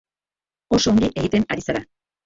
Oso ongi egiten ari zara.